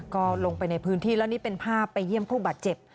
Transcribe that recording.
ก็ลงไปในพื้นที่แล้วนี่เป็นภาพไปเยี่ยมผู้บาดเจ็บ